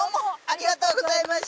ありがとうございます。